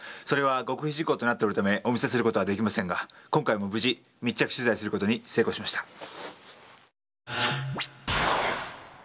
それは極秘事項となっているためお見せする事はできませんが今回も無事密着取材する事に成功しました。